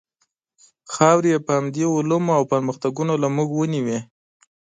خاورې یې په همدې علومو او پرمختګونو له موږ ونیوې.